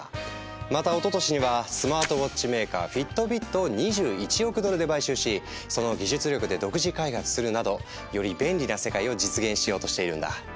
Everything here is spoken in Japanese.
またおととしにはスマートウォッチメーカーＦｉｔｂｉｔを２１億ドルで買収しその技術力で独自開発するなどより便利な世界を実現しようとしているんだ。